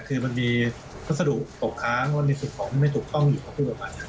แต่คือมันมีรสดุตกค้างมันมีสิ่งของไม่ถูกต้องอยู่